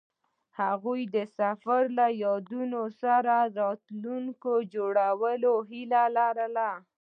هغوی د سفر له یادونو سره راتلونکی جوړولو هیله لرله.